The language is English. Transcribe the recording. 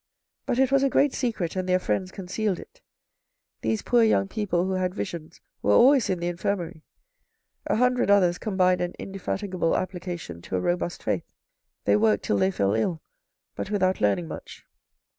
But it was a great secret and their friends concealed it. These poor young people who had visions were always in the in firmary. A hundred others combined an indefatigable applica tion to a robust faith. They worked till they fell ill, but without learning much.